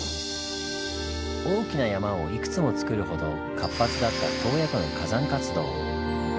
大きな山をいくつもつくるほど活発だった洞爺湖の火山活動。